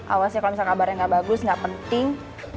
awas ya kalo misalnya kabarnya gak bagus gak penting